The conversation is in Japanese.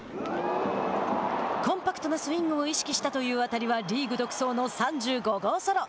コンパクトなスイングを意識したという当たりはリーグ独走の３５号ソロ。